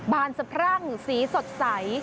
บานสะพรั่งสีสดใส